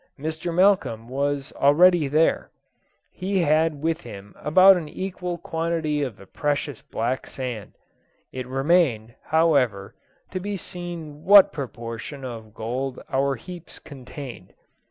Mr. Malcolm was already there; he had with him about an equal quantity of the precious black sand; it remained, however, to be seen what proportion of gold our heaps contained.